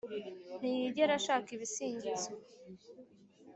ntiyigera ashaka ibisingizo.